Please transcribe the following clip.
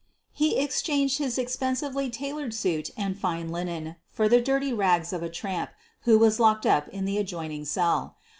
He exchanged his expensively tailored suit and fine linen for the dirty rags of a tramp who was locked up in the adjoining cell.